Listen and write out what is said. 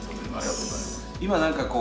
今何かこう